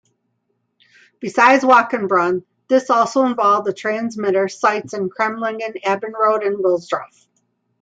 Besides Wachenbrunn, this also involved the transmitter sites in Cremlingen-Abbenrode and Wilsdruff.